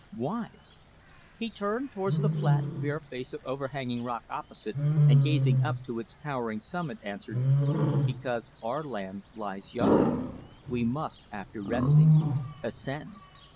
"Why?" He turned towards the flat, bare face of overhanging rock opposite, and gazing up to its towering summit, answered: "Because our land lies yonder. We must, after resting, ascend."